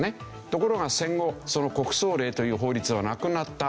ところが戦後その国葬令という法律はなくなった。